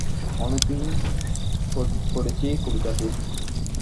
অনেক দিন পড়েছি কবিতাটি।